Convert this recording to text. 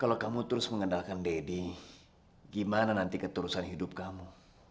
kalau kamu terus mengandalkan daddy gimana nanti keterusan hidup kamu